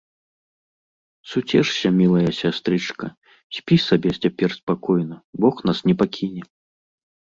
- Суцешся, мілая сястрычка, спі сабе цяпер спакойна, Бог нас не пакіне